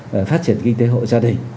và phát triển kinh tế hộ gia đình